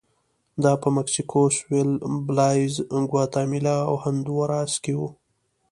دا په مکسیکو سوېل، بلایز، ګواتیمالا او هندوراس کې و